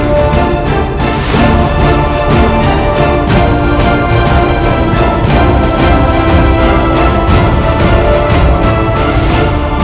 akhirnya kita bertemu